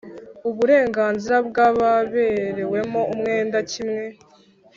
Uburenganzira bw ababerewemo umwenda kimwe